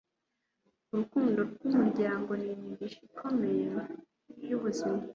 urukundo rw'umuryango ni imigisha ikomeye y'ubuzima